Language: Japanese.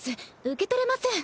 受け取れません。